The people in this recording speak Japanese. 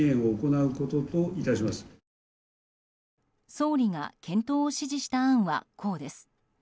総理が検討を指示した案はこうです。